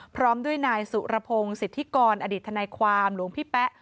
พร้อมด้วยนายสุรพงศ์สิทธิกรอดีตทนายความหลวงพี่แป๊ะ